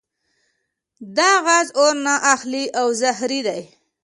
دا غاز اور نه اخلي او زهري دی.